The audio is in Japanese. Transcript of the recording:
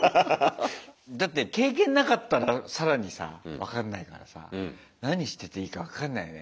だって経験なかったら更にさ分かんないからさ何してていいか分かんないね。